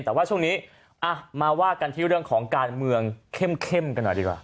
แต่ว่าช่วงนี้มาว่ากันที่เรื่องของการเมืองเข้มกันหน่อยดีกว่า